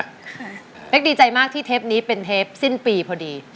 เป๊กดีใจมากที่เทปนี้เป็นเทปสิ้นปีพอดี